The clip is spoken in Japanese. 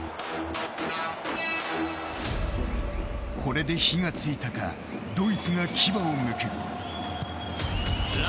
これで火がついたかドイツが牙をむく。